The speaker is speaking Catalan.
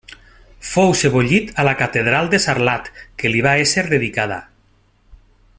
Fou sebollit a la Catedral de Sarlat, que li va ésser dedicada.